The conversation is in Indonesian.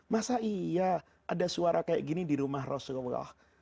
masa iya ada suara kayak gini di rumah rasulullah